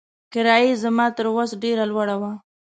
کرایه یې زما تر وس ډېره لوړه وه.